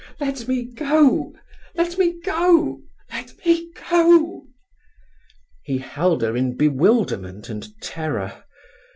"Let me go!" she cried. "Let me go! Let me go!" He held her in bewilderment and terror.